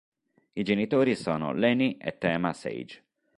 I genitori sono Lenny e Tema Sage.